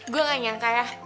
gue gak nyangka ya